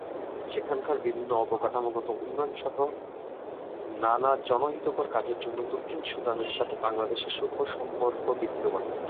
সেখানকার বিভিন্ন অবকাঠামোগত উন্নয়ন সহ নান জনহিতকর কাজের জন্য দক্ষিণ সুদানের সাথে বাংলাদেশের সুসম্পর্ক বিদ্যমান।